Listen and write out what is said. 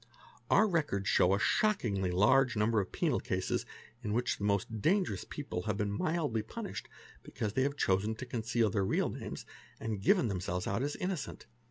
Our records show a shockingly large number of penal cases in which the most dangerous — people have been mildly punished because they have chosen to conceal their real names, and give themselves out as innocent.